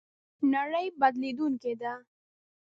نړۍ بدلېدونکې ده